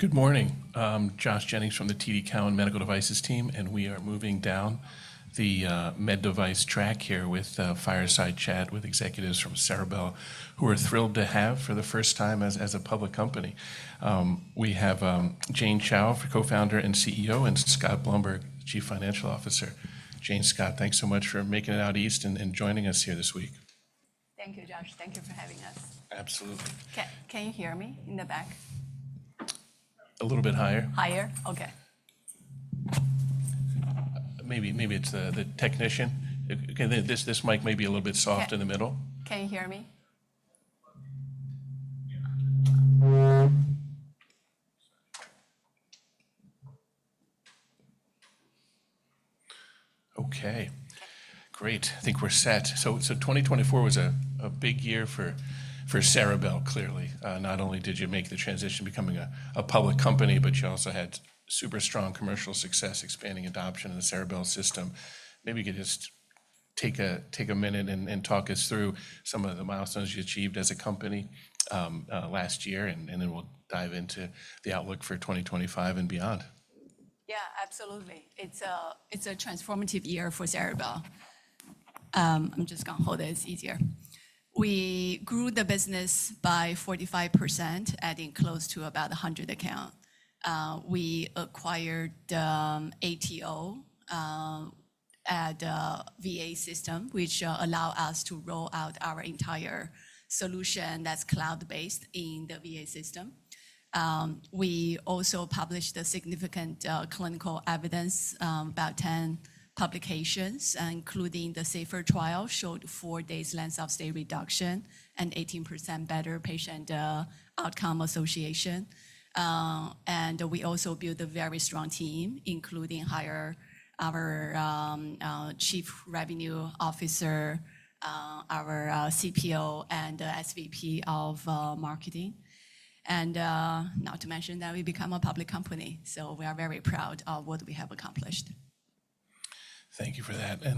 Good morning. I'm Josh Jennings from the TD Cowen Medical Devices team, and we are moving down the med device track here with fireside chat with executives from Ceribell who are thrilled to have for the first time as a public company. We have Jane Chao, co-founder and CEO, and Scott Blumberg, Chief Financial Officer. Jane, Scott, thanks so much for making it out east and joining us here this week. Thank you, Josh. Thank you for having us. Absolutely. Can you hear me in the back? A little bit higher. Higher? Okay. Maybe it's the technician. This mic may be a little bit soft in the middle. Can you hear me? Okay. Great. I think we're set. 2024 was a big year for Ceribell, clearly. Not only did you make the transition to becoming a public company, but you also had super strong commercial success expanding adoption of the Ceribell system. Maybe you could just take a minute and talk us through some of the milestones you achieved as a company last year, and then we'll dive into the outlook for 2025 and beyond. Yeah, absolutely. It's a transformative year for Ceribell. I'm just going to hold it. It's easier. We grew the business by 45%, adding close to about 100 accounts. We acquired ATO, a VA System, which allowed us to roll out our entire solution that's cloud-based in the VA System. We also published significant clinical evidence, about 10 publications, including the SAFER Trial showed four days' length of stay reduction and 18% better patient outcome association. We also built a very strong team, including hiring our Chief Revenue Officer, our CPO, and the SVP of Marketing. Not to mention that we became a public company. We are very proud of what we have accomplished. Thank you for that. I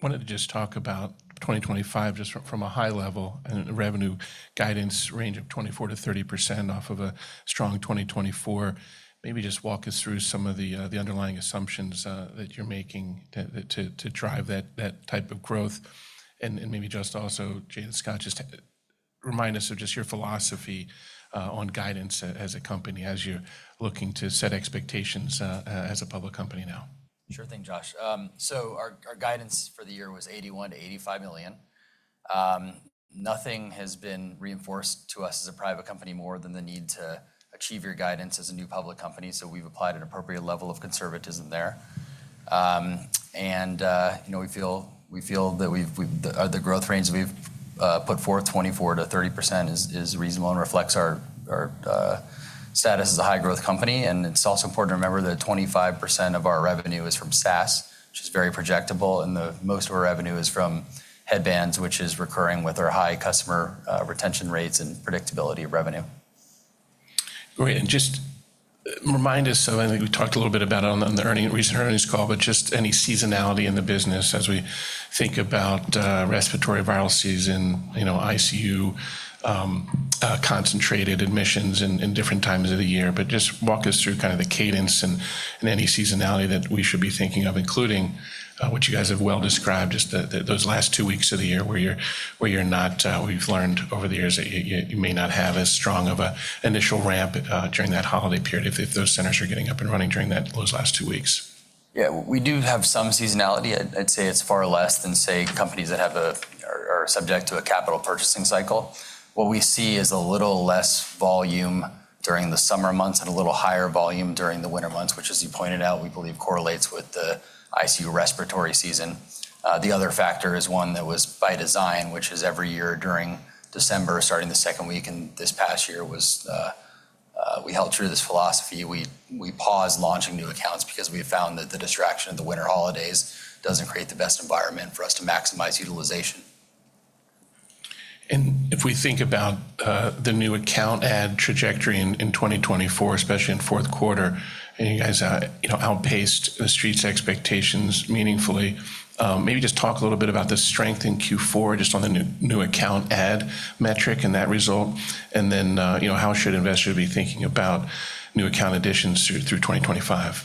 wanted to just talk about 2025 just from a high level and revenue guidance range of 24%-30% off of a strong 2024. Maybe just walk us through some of the underlying assumptions that you're making to drive that type of growth. Maybe just also, Jane and Scott, just remind us of just your philosophy on guidance as a company as you're looking to set expectations as a public company now. Sure thing, Josh. Our guidance for the year was $81-$85 million. Nothing has been reinforced to us as a private company more than the need to achieve your guidance as a new public company. We have applied an appropriate level of conservatism there. We feel that the growth range that we have put forth, 24%-30%, is reasonable and reflects our status as a high-growth company. It is also important to remember that 25% of our revenue is from SaaS, which is very projectable, and most of our revenue is from headbands, which is recurring with our high customer retention rates and predictability of revenue. Great. Just remind us of, I think we talked a little bit about it on the recent earnings call, just any seasonality in the business as we think about respiratory viruses, ICU concentrated admissions in different times of the year. Just walk us through kind of the cadence and any seasonality that we should be thinking of, including what you guys have well described, just those last two weeks of the year where you're not, where you've learned over the years that you may not have as strong of an initial ramp during that holiday period if those centers are getting up and running during those last two weeks. Yeah, we do have some seasonality. I'd say it's far less than, say, companies that are subject to a capital purchasing cycle. What we see is a little less volume during the summer months and a little higher volume during the winter months, which, as you pointed out, we believe correlates with the ICU respiratory season. The other factor is one that was by design, which is every year during December, starting the second week in this past year, we held true to this philosophy. We paused launching new accounts because we found that the distraction of the winter holidays doesn't create the best environment for us to maximize utilization. If we think about the new account add trajectory in 2024, especially in fourth quarter, you guys outpaced the street's expectations meaningfully. Maybe just talk a little bit about the strength in Q4, just on the new account add metric and that result. Then how should investors be thinking about new account additions through 2025?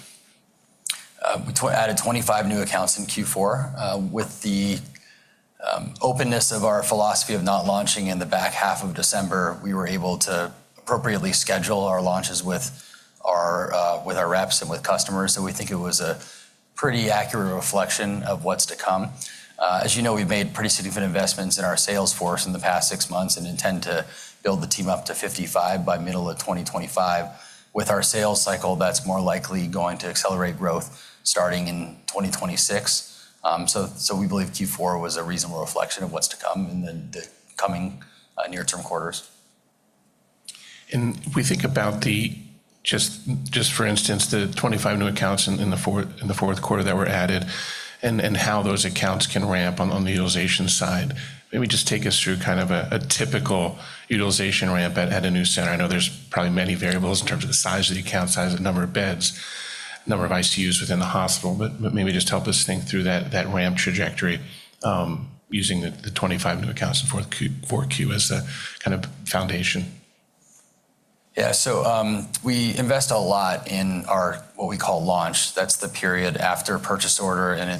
We added 25 new accounts in Q4. With the openness of our philosophy of not launching in the back half of December, we were able to appropriately schedule our launches with our reps and with customers. We think it was a pretty accurate reflection of what's to come. As you know, we've made pretty significant investments in our sales force in the past six months and intend to build the team up to 55 by middle of 2025. With our sales cycle, that's more likely going to accelerate growth starting in 2026. We believe Q4 was a reasonable reflection of what's to come in the coming near-term quarters. If we think about the, just for instance, the 25 new accounts in the fourth quarter that were added and how those accounts can ramp on the utilization side, maybe just take us through kind of a typical utilization ramp at a new center. I know there's probably many variables in terms of the size of the account, size of the number of beds, number of ICUs within the hospital, but maybe just help us think through that ramp trajectory using the 25 new accounts in fourth Q as a kind of foundation. Yeah, so we invest a lot in our what we call launch. That's the period after purchase order and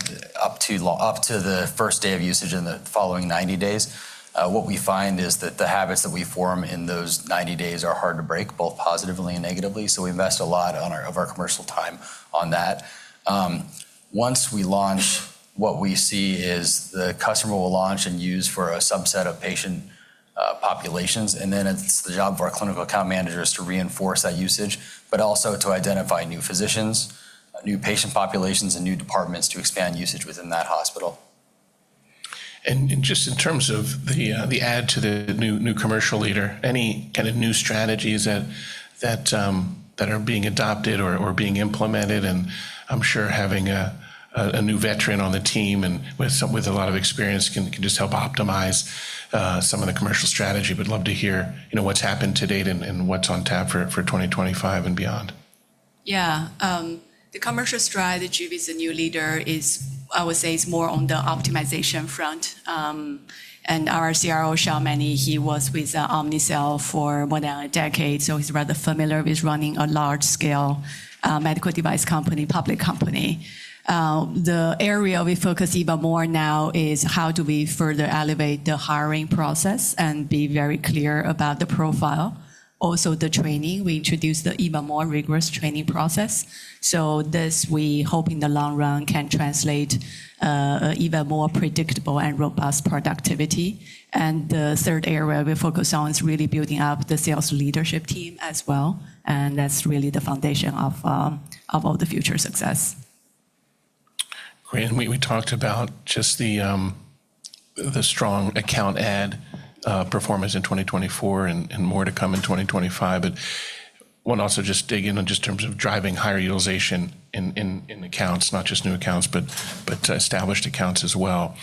up to the first day of usage in the following 90 days. What we find is that the habits that we form in those 90 days are hard to break, both positively and negatively. We invest a lot of our commercial time on that. Once we launch, what we see is the customer will launch and use for a subset of patient populations. It is the job of our clinical account managers to reinforce that usage, but also to identify new physicians, new patient populations, and new departments to expand usage within that hospital. Just in terms of the add to the new commercial leader, any kind of new strategies that are being adopted or being implemented? I am sure having a new veteran on the team and with a lot of experience can just help optimize some of the commercial strategy. I would love to hear what has happened to date and what is on tap for 2025 and beyond. Yeah. The commercial strategy with the new leader is, I would say, it's more on the optimization front. Our CRO, Sean Manni, he was with Omnicell for more than a decade, so he's rather familiar with running a large-scale medical device company, public company. The area we focus even more now is how do we further elevate the hiring process and be very clear about the profile. Also, the training. We introduced an even more rigorous training process. This, we hope in the long run, can translate to even more predictable and robust productivity. The third area we focus on is really building up the sales leadership team as well. That's really the foundation of all the future success. Great. We talked about just the strong account add performance in 2024 and more to come in 2025. I want to also just dig in on just in terms of driving higher utilization in accounts, not just new accounts, but established accounts as well.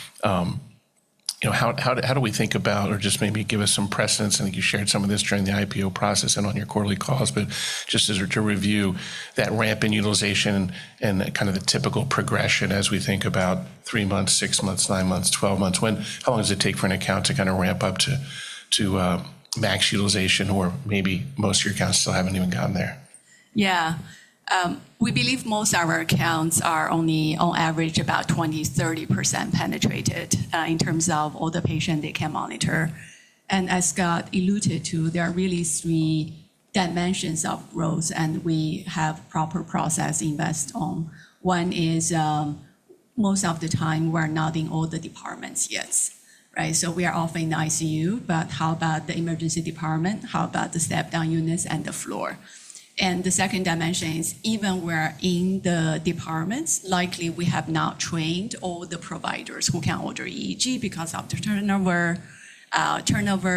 How do we think about, or just maybe give us some precedence? I think you shared some of this during the IPO process and on your quarterly calls, but just to review that ramp in utilization and kind of the typical progression as we think about three months, six months, nine months, twelve months, how long does it take for an account to kind of ramp up to max utilization or maybe most of your accounts still haven't even gotten there? Yeah. We believe most of our accounts are only, on average, about 20%-30% penetrated in terms of all the patients they can monitor. As Scott alluded to, there are really three dimensions of growth, and we have proper process invest on. One is most of the time we're not in all the departments yet. We are often in the ICU, but how about the emergency department? How about the step-down units and the floor? The second dimension is even when we're in the departments, likely we have not trained all the providers who can order EEG because of the turnover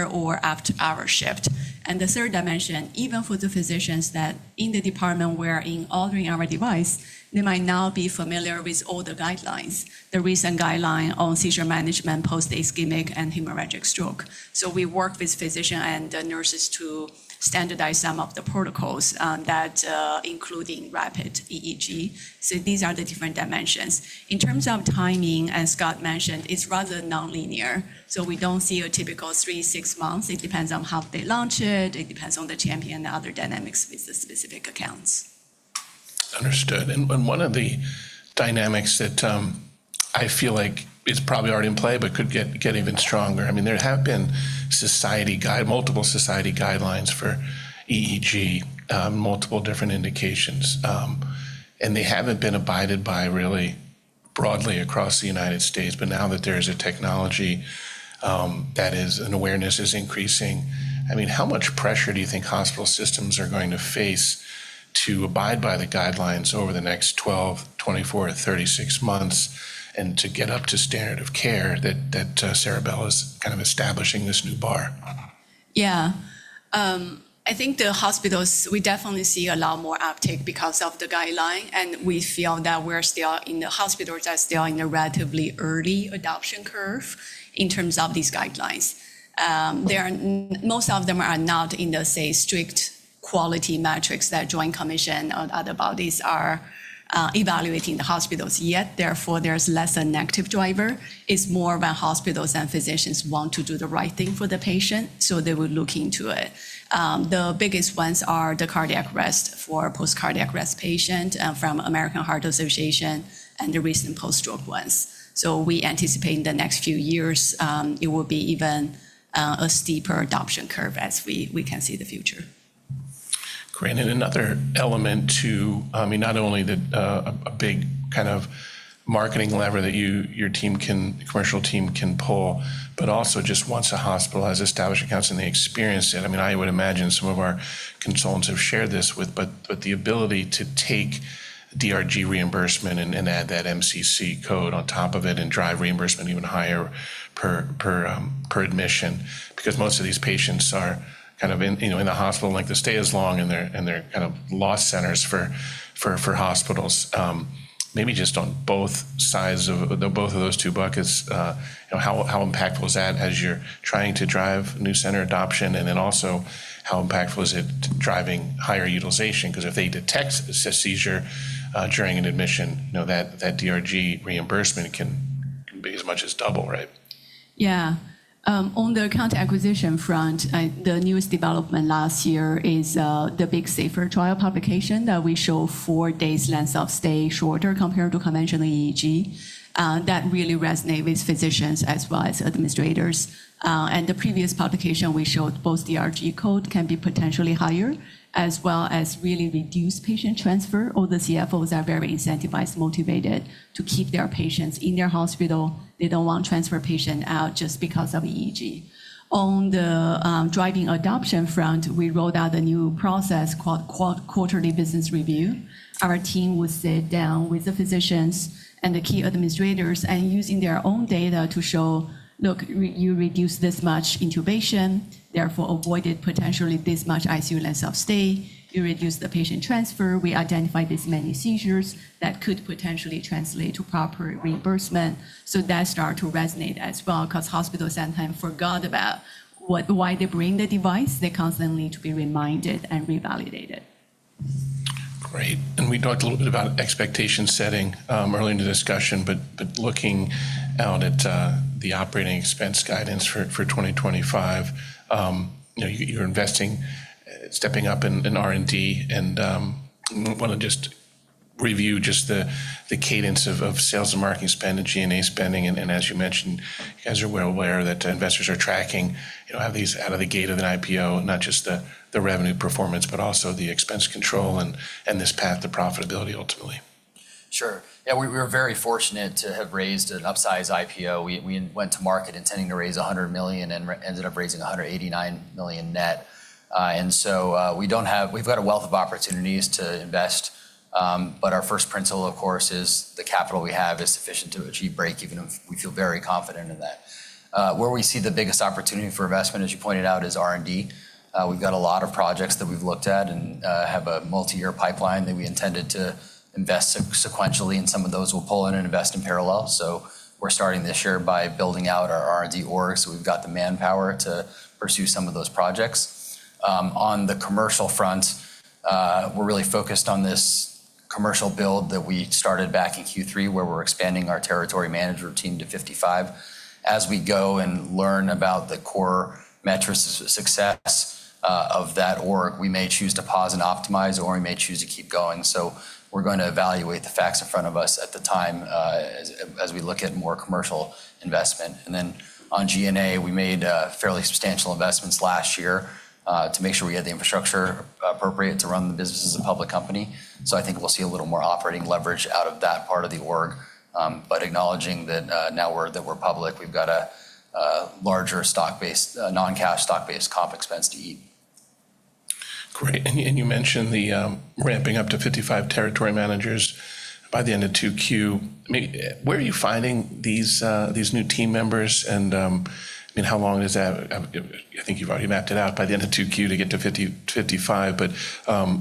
or after-hour shift. The third dimension, even for the physicians that in the department we're in ordering our device, they might not be familiar with all the guidelines, the recent guideline on seizure management post-ischemic and hemorrhagic stroke. We work with physicians and nurses to standardize some of the protocols that include rapid EEG. These are the different dimensions. In terms of timing, as Scott mentioned, it's rather non-linear. We don't see a typical three, six months. It depends on how they launch it. It depends on the champion and other dynamics with the specific accounts. Understood. One of the dynamics that I feel like is probably already in play, but could get even stronger. I mean, there have been multiple society guidelines for EEG, multiple different indications, and they haven't been abided by really broadly across the United States. Now that there is a technology that is, and awareness is increasing, I mean, how much pressure do you think hospital systems are going to face to abide by the guidelines over the next 12, 24, 36 months and to get up to standard of care that Ceribell is kind of establishing this new bar? Yeah. I think the hospitals, we definitely see a lot more uptake because of the guideline. We feel that we're still in the hospitals that are still in a relatively early adoption curve in terms of these guidelines. Most of them are not in the, say, strict quality metrics that Joint Commission and other bodies are evaluating the hospitals yet. Therefore, there's less of a negative driver. It's more about hospitals and physicians wanting to do the right thing for the patient, so they will look into it. The biggest ones are the cardiac arrest for post-cardiac arrest patients from American Heart Association and the recent post-stroke ones. We anticipate in the next few years it will be even a steeper adoption curve as we can see the future. Great. Another element to, I mean, not only a big kind of marketing lever that your team, commercial team, can pull, but also just once a hospital has established accounts and they experience it. I mean, I would imagine some of our consultants have shared this with, but the ability to take DRG reimbursement and add that MCC code on top of it and drive reimbursement even higher per admission, because most of these patients are kind of in the hospital, like to stay as long in their kind of loss centers for hospitals, maybe just on both sides of both of those two buckets, how impactful is that as you're trying to drive new center adoption? Also, how impactful is it driving higher utilization? Because if they detect seizure during an admission, that DRG reimbursement can be as much as double, right? Yeah. On the account acquisition front, the newest development last year is the big SAFER Trial publication that we show four days length of stay shorter compared to conventional EEG. That really resonates with physicians as well as administrators. The previous publication we showed both DRG code can be potentially higher as well as really reduce patient transfer. All the CFOs are very incentivized, motivated to keep their patients in their hospital. They do not want to transfer patients out just because of EEG. On the driving adoption front, we rolled out a new process called quarterly business review. Our team would sit down with the physicians and the key administrators and use their own data to show, "Look, you reduced this much intubation, therefore avoided potentially this much ICU length of stay. You reduced the patient transfer. We identified this many seizures that could potentially translate to proper reimbursement. That started to resonate as well because hospitals sometimes forgot about why they bring the device. They constantly need to be reminded and revalidated. Great. We talked a little bit about expectation setting early in the discussion, but looking out at the operating expense guidance for 2025, you're investing, stepping up in R&D. I want to just review just the cadence of sales and marketing spend and G&A spending. As you mentioned, you guys are well aware that investors are tracking how these out of the gate of an IPO, not just the revenue performance, but also the expense control and this path to profitability ultimately. Sure. Yeah, we were very fortunate to have raised an upsize IPO. We went to market intending to raise $100 million and ended up raising $189 million net. We have a wealth of opportunities to invest. Our first principle, of course, is the capital we have is sufficient to achieve breakeven. We feel very confident in that. Where we see the biggest opportunity for investment, as you pointed out, is R&D. We have a lot of projects that we have looked at and have a multi-year pipeline that we intended to invest sequentially, and some of those we will pull in and invest in parallel. We are starting this year by building out our R&D org so we have the manpower to pursue some of those projects. On the commercial front, we're really focused on this commercial build that we started back in Q3 where we're expanding our territory management team to 55. As we go and learn about the core metrics of success of that org, we may choose to pause and optimize, or we may choose to keep going. We're going to evaluate the facts in front of us at the time as we look at more commercial investment. On G&A, we made fairly substantial investments last year to make sure we had the infrastructure appropriate to run the business as a public company. I think we'll see a little more operating leverage out of that part of the org. Acknowledging that now we're public, we've got a larger stock-based, non-cash stock-based comp expense to eat. Great. You mentioned the ramping up to 55 territory managers by the end of 2Q. Where are you finding these new team members? I mean, how long is that? I think you've already mapped it out by the end of 2Q to get to 55.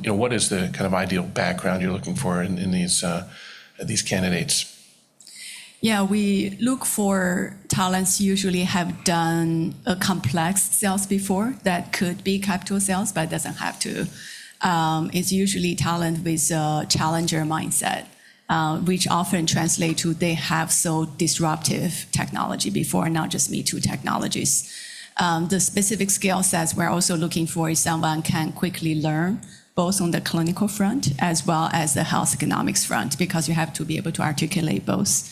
What is the kind of ideal background you're looking for in these candidates? Yeah, we look for talents who usually have done complex sales before. That could be capital sales, but it doesn't have to. It's usually talent with a challenger mindset, which often translates to they have sold disruptive technology before, not just me-too technologies. The specific skill sets we're also looking for is someone who can quickly learn both on the clinical front as well as the health economics front because you have to be able to articulate both.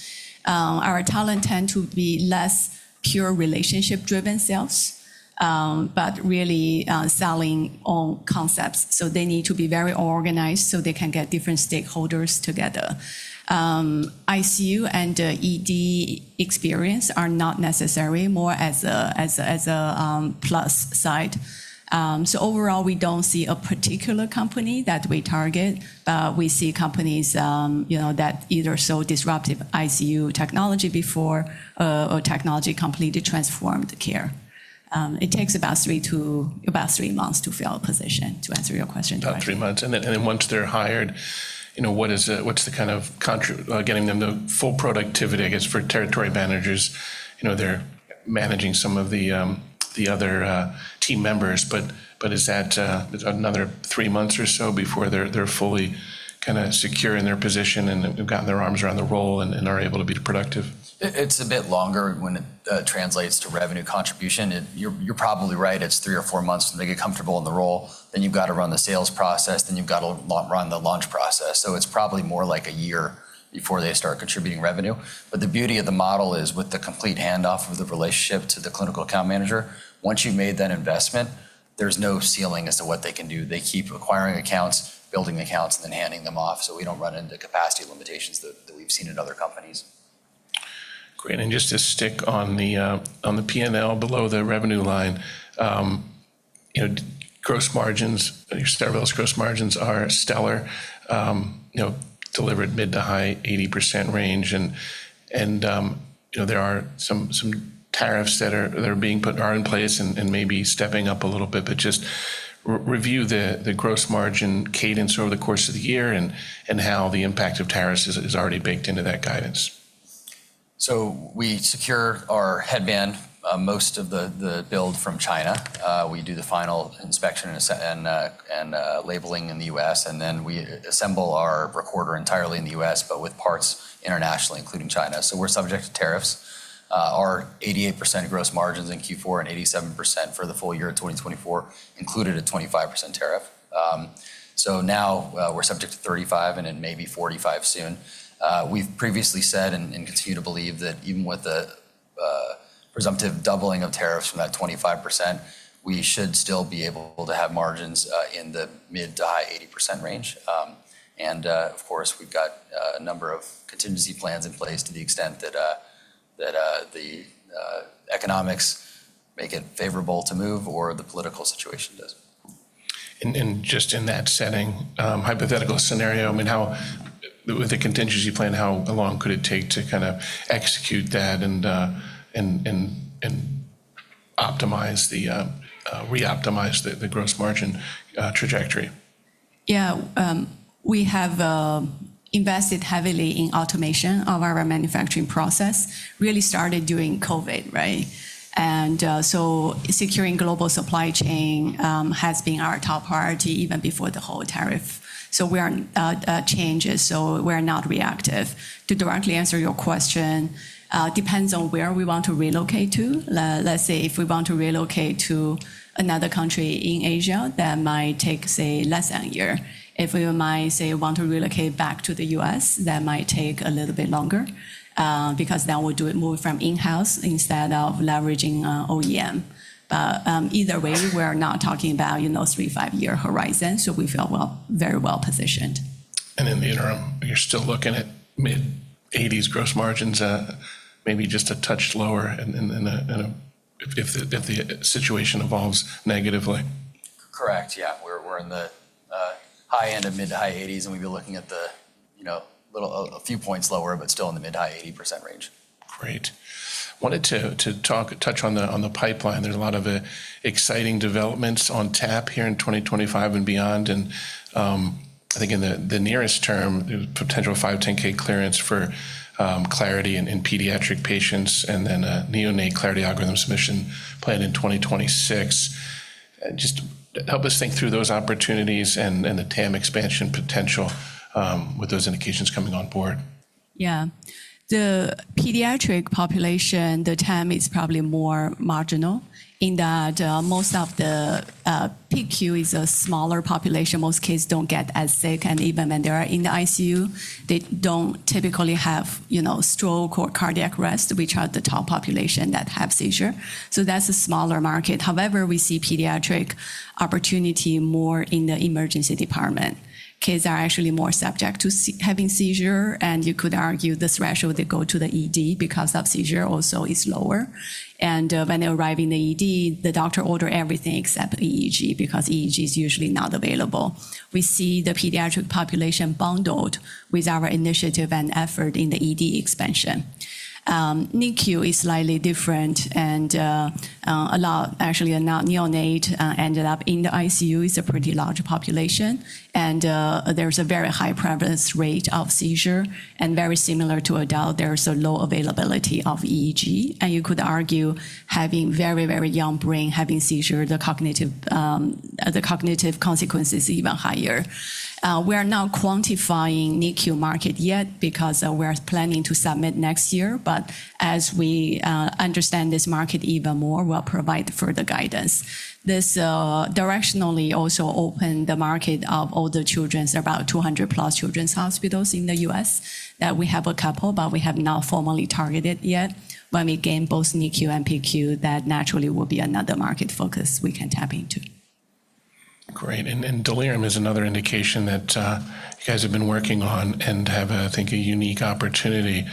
Our talent tends to be less pure relationship-driven sales, but really selling on concepts. They need to be very organized so they can get different stakeholders together. ICU and ED experience are not necessary, more as a plus side. Overall, we don't see a particular company that we target, but we see companies that either sold disruptive ICU technology before or technology that completely transformed care. It takes about three months to fill a position, to answer your question. About three months. Once they're hired, what's the kind of getting them to full productivity, I guess, for territory managers? They're managing some of the other team members, but is that another three months or so before they're fully kind of secure in their position and have gotten their arms around the role and are able to be productive? It's a bit longer when it translates to revenue contribution. You're probably right. It's three or four months when they get comfortable in the role. You have to run the sales process. You have to run the launch process. It is probably more like a year before they start contributing revenue. The beauty of the model is with the complete handoff of the relationship to the clinical account manager, once you've made that investment, there's no ceiling as to what they can do. They keep acquiring accounts, building accounts, and then handing them off. We do not run into capacity limitations that we've seen in other companies. Great. Just to stick on the P&L below the revenue line, gross margins, Ceribell's gross margins are stellar, delivered mid to high 80% range. There are some tariffs that are being put in place and maybe stepping up a little bit, but just review the gross margin cadence over the course of the year and how the impact of tariffs is already baked into that guidance. We secure our headband, most of the build from China. We do the final inspection and labeling in the U.S., and then we assemble our recorder entirely in the U.S., but with parts internationally, including China. We are subject to tariffs. Our 88% gross margins in Q4 and 87% for the full year of 2024 included a 25% tariff. Now we are subject to 35% and then maybe 45% soon. We have previously said and continue to believe that even with the presumptive doubling of tariffs from that 25%, we should still be able to have margins in the mid to high 80% range. Of course, we have a number of contingency plans in place to the extent that the economics make it favorable to move or the political situation does. Just in that setting, hypothetical scenario, I mean, with the contingency plan, how long could it take to kind of execute that and reoptimize the gross margin trajectory? Yeah. We have invested heavily in automation of our manufacturing process, really started during COVID, right? Securing global supply chain has been our top priority even before the whole tariff changes. We are not reactive. To directly answer your question, it depends on where we want to relocate to. Let's say if we want to relocate to another country in Asia, that might take, say, less than a year. If we might, say, want to relocate back to the US, that might take a little bit longer because then we'll do it more from in-house instead of leveraging OEM. Either way, we are not talking about a three, five-year horizon. We feel very well positioned. In the interim, you're still looking at mid-80s gross margins, maybe just a touch lower if the situation evolves negatively. Correct. Yeah. We're in the high end of mid to high 80s, and we'll be looking at a few points lower, but still in the mid to high 80% range. Great. I wanted to touch on the pipeline. There's a lot of exciting developments on tap here in 2025 and beyond. I think in the nearest term, there's potential 510(k) clearance for Clarity in pediatric patients and then a Neonate Clarity algorithm submission plan in 2026. Just help us think through those opportunities and the TAM expansion potential with those indications coming on board. Yeah. The pediatric population, the TAM is probably more marginal in that most of the PICU is a smaller population. Most kids do not get as sick. And even when they are in the ICU, they do not typically have stroke or cardiac arrest, which are the top population that have seizure. That is a smaller market. However, we see pediatric opportunity more in the emergency department. Kids are actually more subject to having seizure. You could argue the threshold that goes to the ED because of seizure also is lower. When they arrive in the ED, the doctor orders everything except EEG because EEG is usually not available. We see the pediatric population bundled with our initiative and effort in the ED expansion. NICU is slightly different. Actually, a neonate who ends up in the ICU is a pretty large population. There is a very high prevalence rate of seizure. Very similar to adult, there is a low availability of EEG. You could argue having a very, very young brain having seizure, the cognitive consequences are even higher. We are not quantifying NICU market yet because we are planning to submit next year. As we understand this market even more, we will provide further guidance. This directionally also opened the market of older children, about 200-plus children's hospitals in the US that we have a couple, but we have not formally targeted yet. When we gain both NICU and PQ, that naturally will be another market focus we can tap into. Great. Delirium is another indication that you guys have been working on and have, I think, a unique opportunity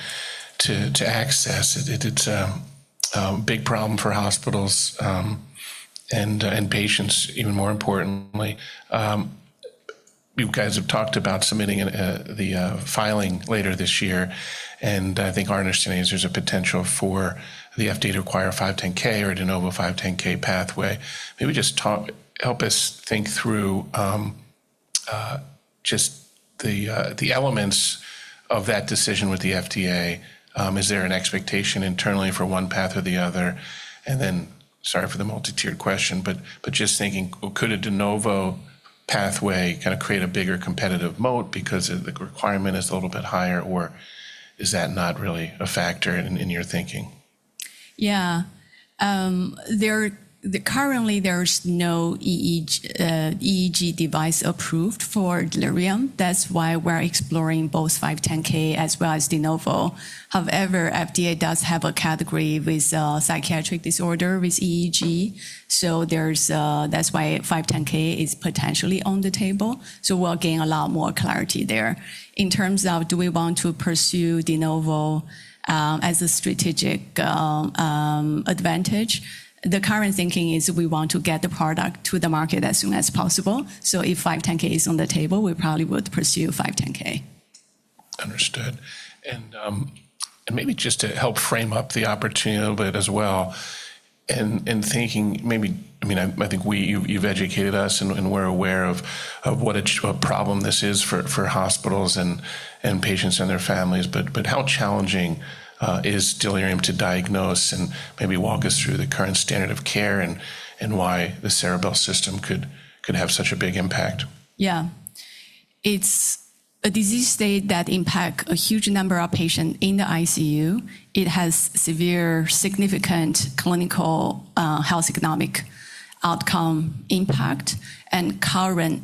to access. It is a big problem for hospitals and patients, even more importantly. You guys have talked about submitting the filing later this year. I think our understanding is there is a potential for the FDA to require a 510(k) or a de novo 510(k) pathway. Maybe just help us think through the elements of that decision with the FDA. Is there an expectation internally for one path or the other? Sorry for the multi-tiered question, but just thinking, could a de novo pathway kind of create a bigger competitive moat because the requirement is a little bit higher, or is that not really a factor in your thinking? Yeah. Currently, there's no EEG device approved for delirium. That's why we're exploring both 510(k) as well as de novo. However, FDA does have a category with psychiatric disorder with EEG. That's why 510(k) is potentially on the table. We'll gain a lot more clarity there. In terms of do we want to pursue de novo as a strategic advantage, the current thinking is we want to get the product to the market as soon as possible. If 510(k) is on the table, we probably would pursue 510(k). Understood. Maybe just to help frame up the opportunity a little bit as well, in thinking maybe, I mean, I think you've educated us and we're aware of what a problem this is for hospitals and patients and their families. How challenging is delirium to diagnose? Maybe walk us through the current standard of care and why the Ceribell system could have such a big impact. Yeah. It's a disease state that impacts a huge number of patients in the ICU. It has severe, significant clinical health economic outcome impact. Current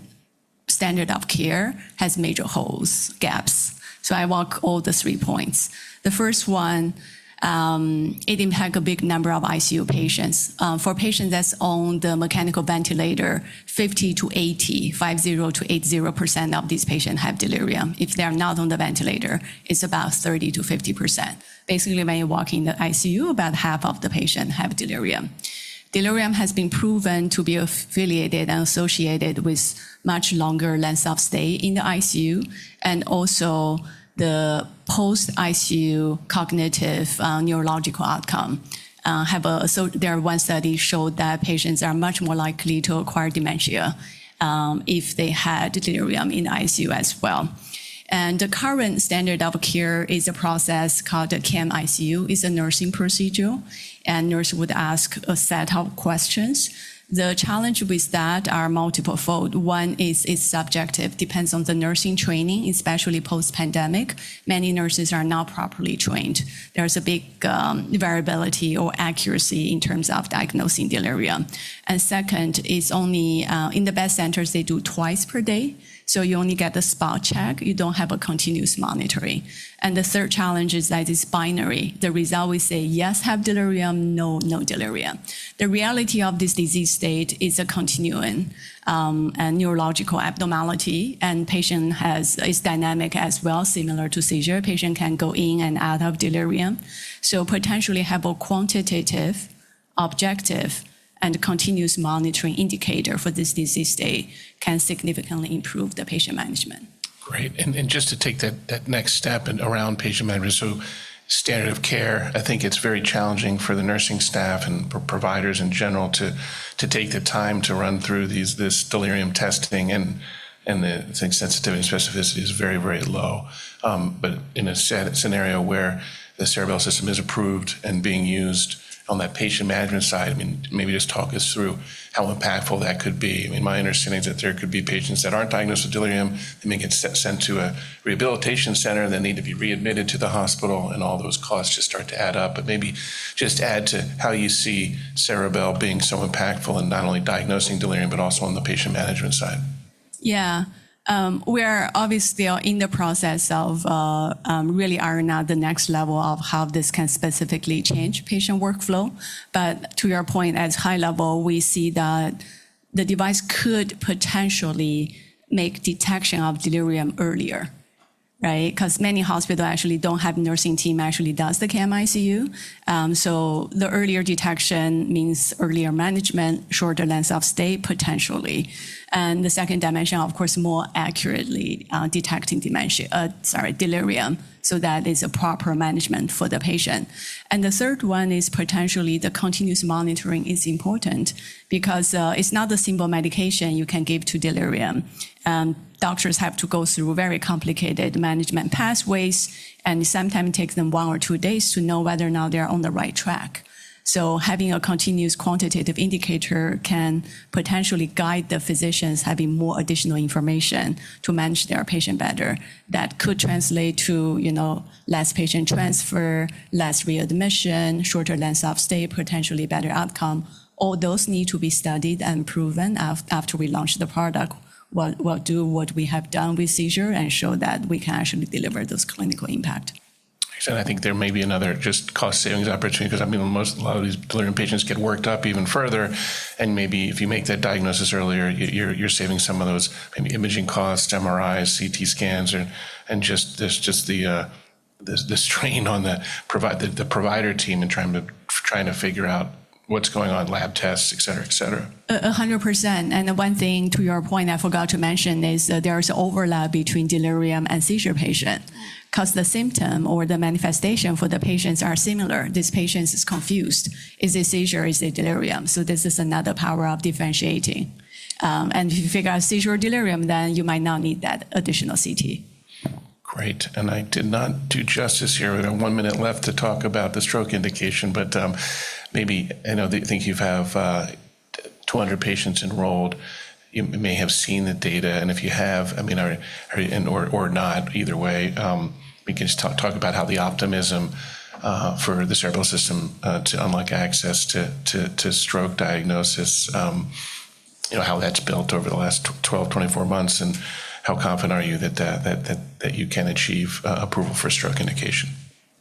standard of care has major holes, gaps. I walk all the three points. The first one, it impacts a big number of ICU patients. For patients that are on the mechanical ventilator, 50-80% of these patients have delirium. If they're not on the ventilator, it's about 30-50%. Basically, when you walk in the ICU, about half of the patients have delirium. Delirium has been proven to be affiliated and associated with much longer lengths of stay in the ICU and also the post-ICU cognitive neurological outcome. There are one study showed that patients are much more likely to acquire dementia if they had delirium in the ICU as well. The current standard of care is a process called a CAM-ICU. It's a nursing procedure. Nurses would ask a set of questions. The challenge with that is multiple-fold. One is it's subjective. It depends on the nursing training, especially post-pandemic. Many nurses are not properly trained. There's a big variability or accuracy in terms of diagnosing delirium. Second, it's only in the best centers, they do twice per day. You only get a spot check. You don't have a continuous monitoring. The third challenge is that it's binary. The result will say, yes, have delirium, no, no delirium. The reality of this disease state is a continuing neurological abnormality. The patient is dynamic as well, similar to seizure. The patient can go in and out of delirium. Potentially have a quantitative, objective, and continuous monitoring indicator for this disease state can significantly improve the patient management. Great. Just to take that next step around patient management, standard of care, I think it's very challenging for the nursing staff and for providers in general to take the time to run through this delirium testing. I think sensitivity and specificity is very, very low. In a scenario where the Ceribell system is approved and being used on that patient management side, maybe just talk us through how impactful that could be. I mean, my understanding is that there could be patients that aren't diagnosed with delirium. They may get sent to a rehabilitation center. They need to be readmitted to the hospital. All those costs just start to add up. Maybe just add to how you see Ceribell being so impactful in not only diagnosing delirium, but also on the patient management side. Yeah. We're obviously in the process of really ironing out the next level of how this can specifically change patient workflow. To your point, at high level, we see that the device could potentially make detection of delirium earlier, right? Because many hospitals actually don't have a nursing team that actually does the CAM-ICU. The earlier detection means earlier management, shorter lengths of stay potentially. The second dimension, of course, more accurately detecting delirium so that it's a proper management for the patient. The third one is potentially the continuous monitoring is important because it's not the single medication you can give to delirium. Doctors have to go through very complicated management pathways. Sometimes it takes them one or two days to know whether or not they are on the right track. Having a continuous quantitative indicator can potentially guide the physicians, having more additional information to manage their patient better. That could translate to less patient transfer, less readmission, shorter lengths of stay, potentially better outcome. All those need to be studied and proven after we launch the product. We'll do what we have done with seizure and show that we can actually deliver those clinical impact. I think there may be another just cost savings opportunity because, I mean, a lot of these delirium patients get worked up even further. Maybe if you make that diagnosis earlier, you're saving some of those maybe imaging costs, MRIs, CT scans, and just the strain on the provider team and trying to figure out what's going on, lab tests, et cetera, et cetera. 100%. One thing to your point I forgot to mention is there is an overlap between delirium and seizure patient because the symptom or the manifestation for the patients are similar. This patient is confused. Is it seizure? Is it delirium? This is another power of differentiating. If you figure out seizure or delirium, then you might not need that additional CT. Great. I did not do justice here. We have one minute left to talk about the stroke indication. Maybe I think you have 200 patients enrolled. You may have seen the data. If you have, I mean, or not, either way, we can just talk about how the optimism for the Ceribell system to unlock access to stroke diagnosis, how that's built over the last 12-24 months, and how confident are you that you can achieve approval for stroke indication?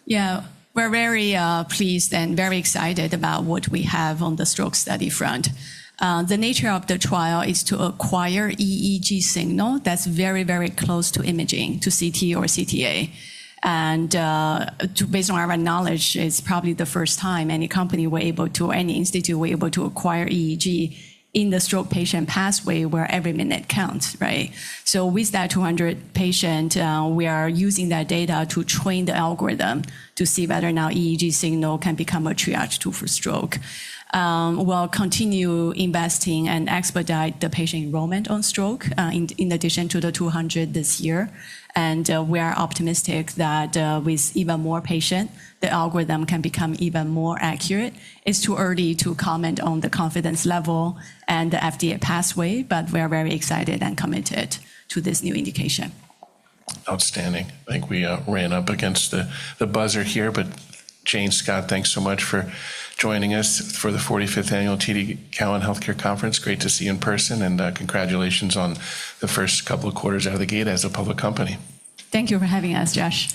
Yeah. We're very pleased and very excited about what we have on the stroke study front. The nature of the trial is to acquire EEG signal that's very, very close to imaging, to CT or CTA. Based on our knowledge, it's probably the first time any company were able to, any institute were able to acquire EEG in the stroke patient pathway where every minute counts, right? With that 200 patients, we are using that data to train the algorithm to see whether or not EEG signal can become a triage tool for stroke. We'll continue investing and expedite the patient enrollment on stroke in addition to the 200 this year. We are optimistic that with even more patients, the algorithm can become even more accurate. It's too early to comment on the confidence level and the FDA pathway. We are very excited and committed to this new indication. Outstanding. I think we ran up against the buzzer here. Jane, Scott, thanks so much for joining us for the 45th Annual TD Cowen Healthcare Conference. Great to see you in person. Congratulations on the first couple of quarters out of the gate as a public company. Thank you for having us, Josh.